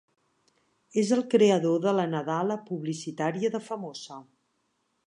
És el creador de la nadala publicitària de Famosa.